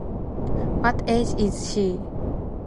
What age is she?